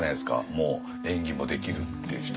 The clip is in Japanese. もう演技もできるっていう人。